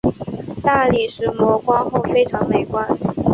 大理石磨光后非常美观。